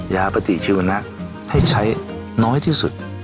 ยาปฏิชีวนะให้ใช้น้อยที่สุด